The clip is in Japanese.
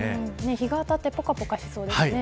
日が当たってぽかぽかしそうですね。